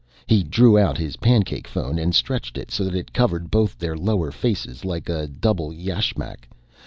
He drew out his pancake phone and stretched it so that it covered both their lower faces, like a double yashmak.